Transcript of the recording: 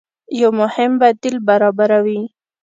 يو مهم بديل برابروي